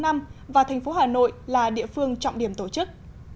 năm và thành phố hà nội là địa phương trọng điểm tổ chức